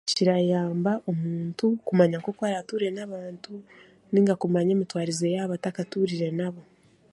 Kirayamba omuntu kumanya nk'oku araatuure n'abantu nainga kumanya emitwarize yaabo atakatuurire nabo